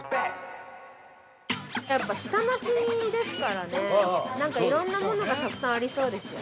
◆やっぱ下町ですからね、何かいろんなものがたくさんありそうですよね。